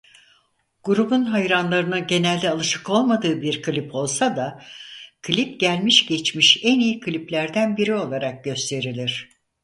Grubun hayranlarının genelde alışık olmadığı bir klip olsa da klip gelmiş geçmiş en iyi kliplerden biri olarak gösterilir.